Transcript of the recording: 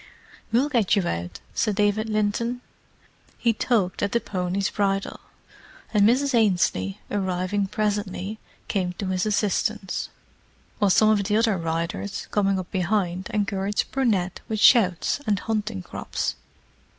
"We'll get you out," said David Linton. He tugged at the pony's bridle; and Mrs. Ainslie, arriving presently, came to his assistance, while some of the other riders, coming up behind, encouraged Brunette with shouts and hunting crops.